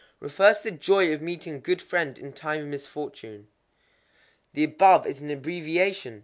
Refers to the joy of meeting a good friend in time of misfortune. The above is an abbreviation.